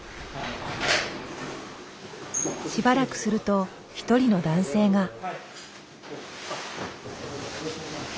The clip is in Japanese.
しばらくすると一人の男性が。